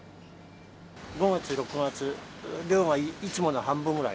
５月、６月の量がいつもの半分ぐらい。